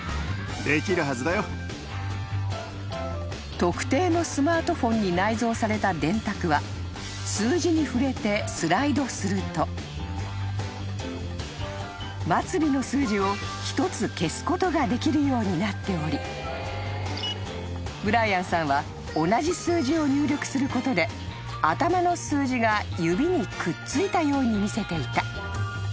［特定のスマートフォンに内蔵された電卓は数字に触れてスライドすると末尾の数字を１つ消すことができるようになっておりブライアンさんは同じ数字を入力することで頭の数字が指にくっついたように見せていた］